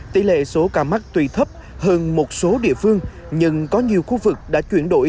tỷ lệ số ca mắc tùy thấp hơn một số địa phương nhưng có nhiều khu vực đã chuyển đổi